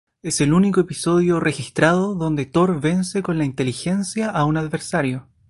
Es el único episodio registrado donde Thor vence con la inteligencia a un adversario.